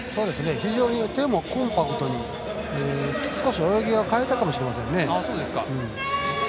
非常にコンパクトに少し泳ぎを変えたかもしれません。